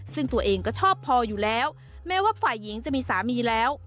ซึ่งตัวเองก็ชอบพออยู่แล้วแม้ว่าฝ่ายหญิงจะมีสามีแล้ว